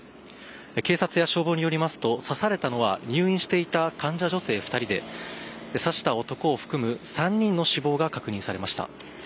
警察や消防によりますと刺されたのは入院していた患者女性２人で刺した男を含む３人の死亡が確認されました。